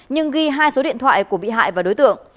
nhưng ghi hai số điện thoại của bị hại và đối tượng